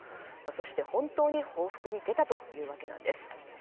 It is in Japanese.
そして本当に報復に出たというわけです。